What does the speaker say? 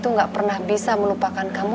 itu gak pernah bisa melupakan kamu